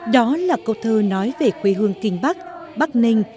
đó là câu thơ nói về quê hương kinh bắc bắc ninh